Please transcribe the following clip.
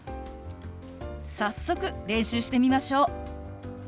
早速練習してみましょう。